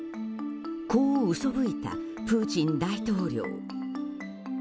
こう、うそぶいたプーチン大統領。